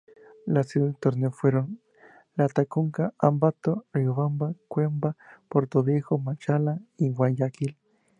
Las sedes del torneo fueron Latacunga, Ambato, Riobamba, Cuenca, Portoviejo, Machala y Guayaquil.